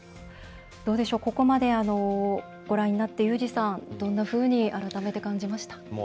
どうでしょう、ここまでご覧になって、ユージさんどんなふうに改めて感じました？